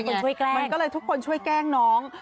มันก็เลยทุกคนช่วยแกล้งน้อง